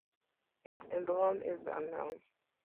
Its emblem is unknown.